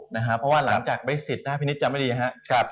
เพราะว่าหลังจากเบสิตหน้าพี่นิดจำไม่ดีครับ